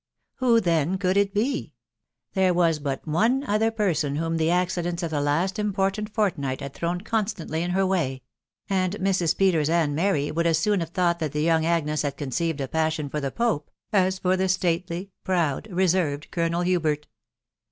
Who, then, could it be? There was but one other person whom the accidents of the last important fortnight had thrown constantly in her way ; and Mrs. Peters and Mary would si soon have thought that the young Agnes had .conceived a passion for the pope, as for the stately, proud, reserved Colonel Hubert.